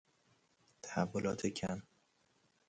تحولات کم